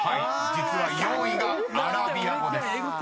実は４位が「アラビア語」です］